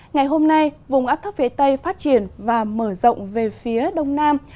ngày hôm nay vùng áp thấp phía tây phát triển và mở rộng về phía đông nam